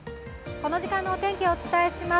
この時間のお天気をお伝えします。